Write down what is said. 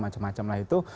macem macem lah itu